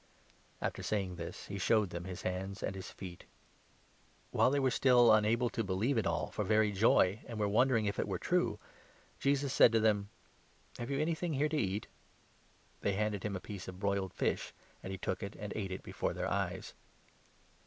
[After saying this he showed them his hands and his feet.] G 162 LUKE, 24. While they were still unable to believe it all for very joy, 41 and were wondering if it were true, Jesus said to them :" Have you anything here to eat ?" They handed him a piece of broiled fish, and he took it and 42, ate it before their eyes.